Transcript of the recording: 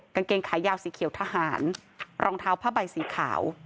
กางเกงขายาวสีเขียวทหารรองเท้าผ้าใบสีขาว